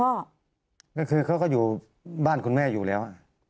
ก็คือเขาก็อยู่บ้านคุณแม่อยู่แล้ว